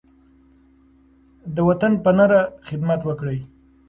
د وطن په نره خدمت وکړئ.